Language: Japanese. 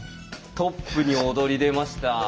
トップに躍り出ました。